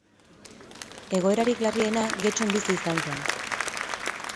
Egoerarik larriena Getxon bizi izan zen.